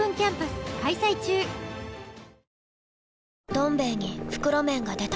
「どん兵衛」に袋麺が出た